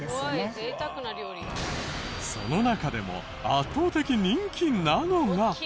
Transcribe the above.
その中でも圧倒的人気なのが。